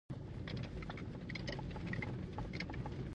افغانستان د بامیان په برخه کې نړیوالو بنسټونو سره کار کوي.